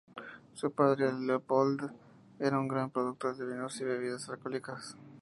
Su padre, Leopold, era un gran productor de vinos y bebidas alcohólicas.